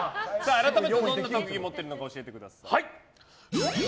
改めてどんな特技を持っているのか教えてください。